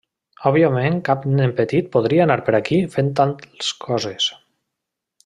Òbviament cap nen petit podria anar per aquí fent tals coses.